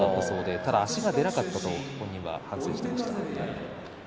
ただ足が出なかったと反省していました。